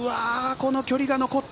この距離が残った。